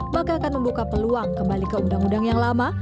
maka akan membuka peluang kembali ke undang undang yang lama